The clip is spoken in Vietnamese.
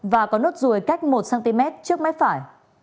và có nốt ruồi cách một cm trước mép phải